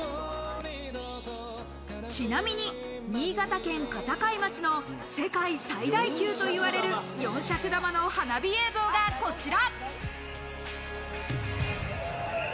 ちなみに新潟県片貝町の世界最大級といわれる４尺玉の花火映像がこちら。